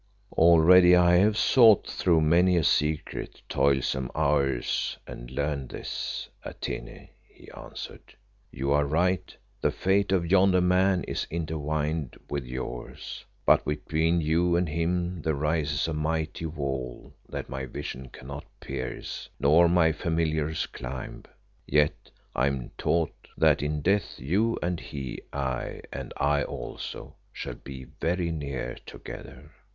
"Already I have sought through many a secret, toilsome hour and learned this, Atene," he answered. "You are right, the fate of yonder man is intertwined with yours, but between you and him there rises a mighty wall that my vision cannot pierce nor my familiars climb. Yet I am taught that in death you and he aye, and I also, shall be very near together."